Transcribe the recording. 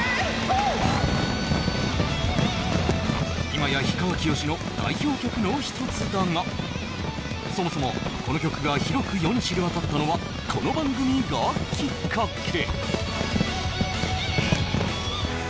今や氷川きよしの代表曲の一つだが、そもそも、この曲が世に知れ渡ったのは、この番組がきっかけ。